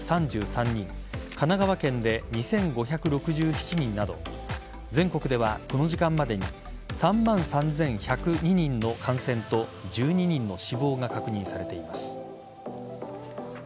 神奈川県で２５６７人など全国ではこの時間までに３万３１０２人の感染と１２人の死亡が確認されています。